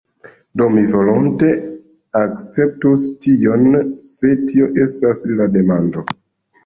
Do, mi volonte akceptus tion se tio estas la demando.